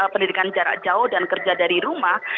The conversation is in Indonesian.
pendidikan jarak jauh dan kerja dari rumah